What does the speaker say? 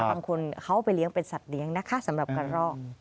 บางคนเขาไปเลี้ยงเป็นสัตว์เลี้ยงนะคะสำหรับกระรอก